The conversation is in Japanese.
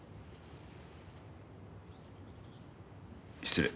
失礼。